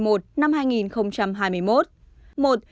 một bản tin bởi bộ y tế